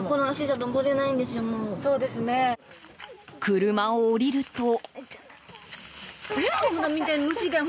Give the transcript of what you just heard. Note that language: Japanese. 車を降りると。